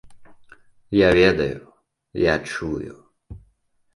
Я ведаю, я чую.